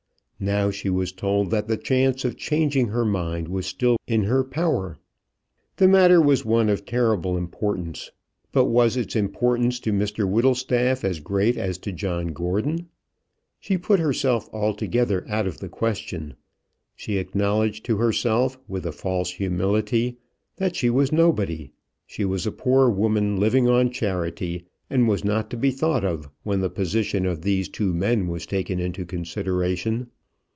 Now she was told that the chance of changing her mind was still in her power. The matter was one of terrible importance; but was its importance to Mr Whittlestaff as great as to John Gordon? She put herself altogether out of the question. She acknowledged to herself, with a false humility, that she was nobody; she was a poor woman living on charity, and was not to be thought of when the position of these two men was taken into consideration.